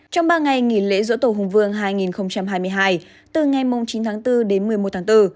trong ba ngày nghỉ lễ dỗ tổ hùng vương hai nghìn hai mươi hai từ ngày chín tháng bốn đến một mươi một tháng bốn